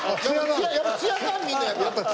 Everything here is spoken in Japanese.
やっぱツヤ感見るのよやっぱ。